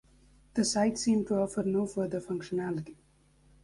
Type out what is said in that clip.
The site seemed to offer no further functionality.